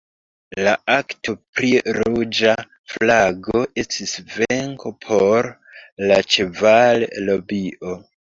La "Akto pri ruĝa flago" estis venko por la ĉeval-lobio.